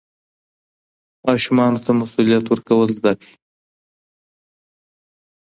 ماشومانو ته مسوولیت ورکول زده کړئ.